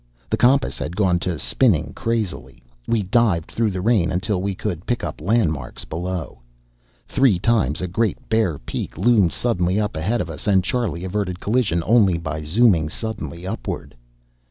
The compass had gone to spinning crazily; we dived through the rain until we could pick up landmarks below. Three times a great bare peak loomed suddenly up ahead of us, and Charlie averted collision only by zooming suddenly upward.